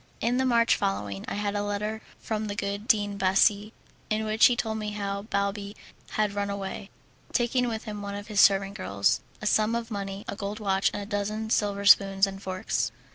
In the March following I had a letter from the good Dean Bassi, in which he told me how Balbi had run away, taking with him one of his servant girls, a sum of money, a gold watch, and a dozen silver spoons and forks.